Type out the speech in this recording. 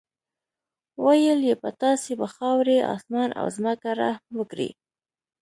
ویل یې په تاسې به خاورې، اسمان او ځمکه رحم وکړي.